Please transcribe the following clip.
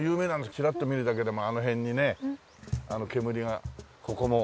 チラッと見るだけでもあの辺にね煙がここも。